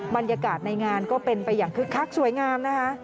บรรยากาศในงานก็เป็นไปอย่างคึกคักสวยงามนะคะ